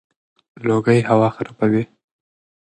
لوګي هوا خرابوي.